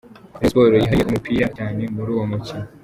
Rayon Sport yihariye umupira cyane muri uwo mukino.